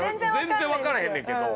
全然わからへんねんけど。